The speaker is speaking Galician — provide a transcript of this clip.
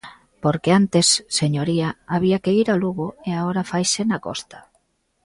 Porque antes, señoría, había que ir a Lugo, e agora faise na costa.